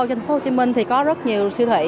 thành phố hồ chí minh thì có rất nhiều siêu thị